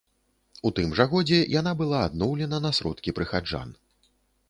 У тым жа годзе яна была адноўлена на сродкі прыхаджан.